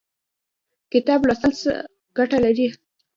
کتاب لوستل څه ګټه لري؟